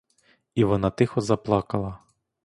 І вона тихо заплакала.